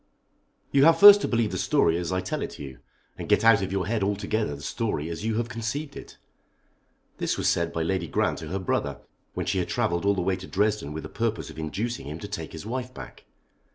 "You have first to believe the story as I tell it you, and get out of your head altogether the story as you have conceived it." This was said by Lady Grant to her brother when she had travelled all the way to Dresden with the purpose of inducing him to take his wife back.